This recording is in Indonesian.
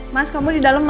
mas kamu di dalam mas